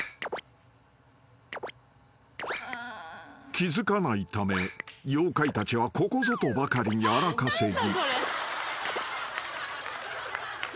［気付かないため妖怪たちはここぞとばかりに荒稼ぎ］